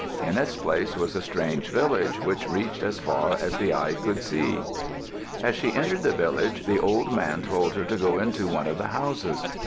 In its place was a strange village which reached as far as the eye could see. As she entered the village, the old man told her to go into one of the houses.